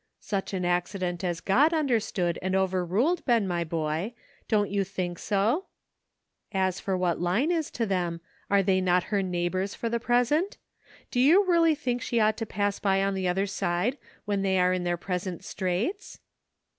" Such an accident as God understood and over ruled, Ben, my boy, don't you think so? DAIiK DAYS. 159 As for what Line is to them, are they not her neiglibors for the present? do you really tliink she ought to pass by on the other side when they are in their present straits?